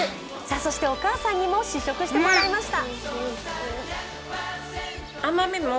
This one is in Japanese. そしてお母さんにも試食してもらいました。